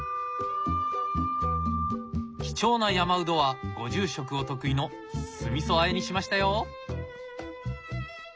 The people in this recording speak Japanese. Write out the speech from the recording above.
貴重なヤマウドはご住職お得意の酢みそあえにしましたよ。